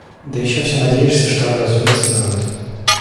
Да еще всё надеешься, что образумится народ.